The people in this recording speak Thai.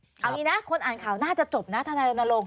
เอางี้นะคนอ่านข่าวน่าจะจบนะทนายรณรงค